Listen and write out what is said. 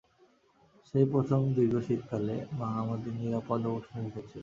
সেই প্রথম দীর্ঘ শীতকালে, মা আমাদের নিরাপদ ও উষ্ণ রেখেছিল।